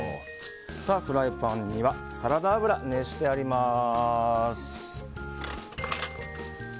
フライパンにはサラダ油が熱してあります。